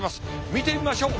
見てみましょう。